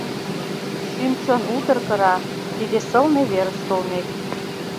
Шӱм-чон утыр кыра, тиде сылне верыш толмек